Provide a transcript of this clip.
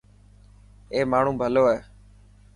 اي ماڻهو ڀلو هي.